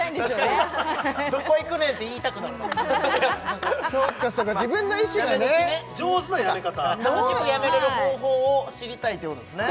確かにどこ行くねんって言いたくなるなそっかそっか自分の意思でねやめどきね上手なやめ方楽しくやめれる方法を知りたいということですね